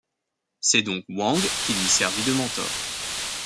C'est donc Wang qui lui servit de mentor.